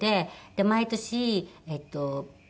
毎年えっと